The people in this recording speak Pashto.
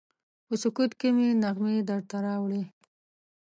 په سکوت کې مې نغمې درته راوړي